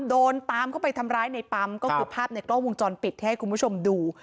โดนตามเข้าไปทำร้ายในปั๊มก็คือภาพในกล้องวงจรปิดที่ให้คุณผู้ชมดู